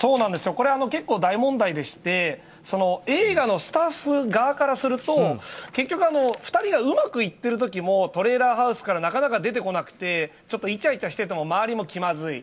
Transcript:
これ、結構大問題でして映画のスタッフ側からすると結局２人がうまくいっている時もトレーラーハウスからなかなか出てこなくていちゃいちゃしてても周りも気まずい。